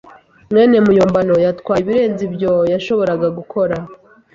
mwene muyombano yatwaye ibirenze ibyo yashoboraga gukora.